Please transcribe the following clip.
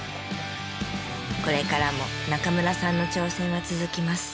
これからも中村さんの挑戦は続きます。